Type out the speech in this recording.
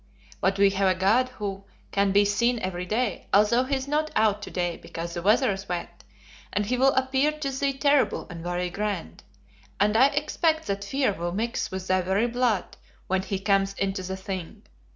But we have a God who can be seen every day, although he is not out to day because the weather is wet; and he will appear to thee terrible and very grand; and I expect that fear will mix with thy very blood when he comes into the Thing.